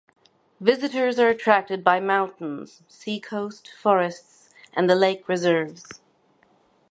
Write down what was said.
Visitors are attracted by mountains, sea-coast, forests and the lake reserves.